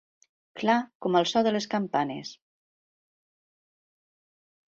Clar com el so de les campanes.